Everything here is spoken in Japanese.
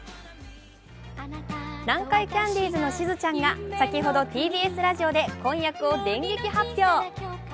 南海キャンディーズのしずちゃんが先ほど、ＴＢＳラジオで婚約を電撃発表。